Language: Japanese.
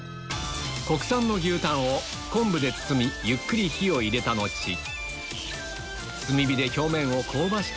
国産の牛タンを昆布で包みゆっくり火を入れた後炭火で表面を香ばしく